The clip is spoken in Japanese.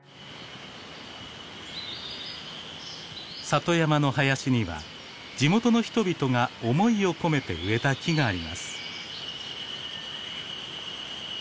里山の林には地元の人々が思いを込めて植えた木があります。